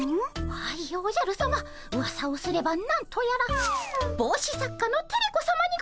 はいおじゃるさまうわさをすれば何とやらぼうし作家のテレ子さまにございます。